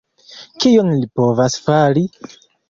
Kion li povis fari?